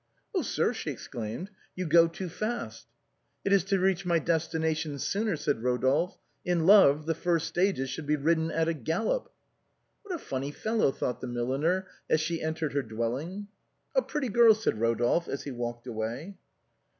" Oh ! sir," she exclaimed, " you go too fast." " It is to reach my destination the sooner," said Ro dolphe. " In love, the first stages should be ridden at a gallop." " What a funny fellow," thought the milliner, as she entered her dwelling. " A pretty girl," said Rodolphe, as he walked away.